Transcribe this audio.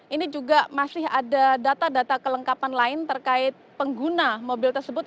ini juga masih ada data data kelengkapan lain terkait pengguna mobil tersebut